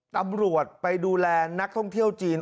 ตำรวจไปดูแลนักท่องเที่ยวจีน